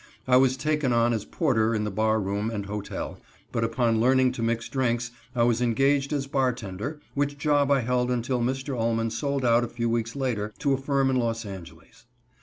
I was taken on as porter in the bar room and hotel, but upon learning to mix drinks, I was engaged as bartender, which job I held until Mr. Ullman sold out a few weeks later to a firm in Los Angeles.